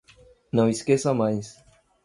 Não esqueça mais